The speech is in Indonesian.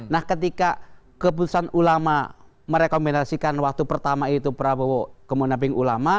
nah ketika keputusan ulama merekomendasikan waktu pertama itu prabowo kemunabing ulama